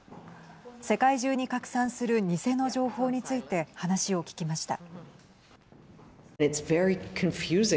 世界中に拡散する偽の情報について話を聞きました。